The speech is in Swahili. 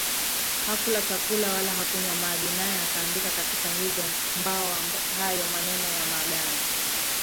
hakula chakula wala hakunywa maji Naye akaandika katika hizo mbao hayo maneno ya maagano